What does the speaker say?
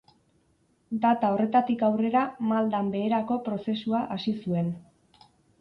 Data horretatik aurrera maldan-beherako prozesua hasi zuen.